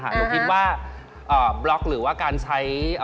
หนูคิดว่าบล็อกหรือว่าการใช้